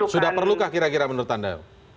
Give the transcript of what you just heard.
sudah perlukah kira kira menurut anda